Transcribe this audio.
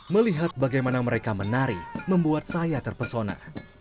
melihat bagaimana mereka menari membuat saya terpesona